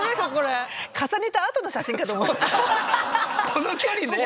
この距離ね。